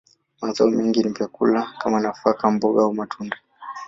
Mazao mengi ni vyakula kama nafaka, mboga, au matunda.